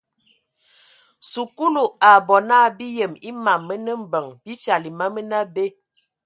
Sikulu a bɔ na bi yem a mam mənə mbəŋ bi fyal e ma mənə abe.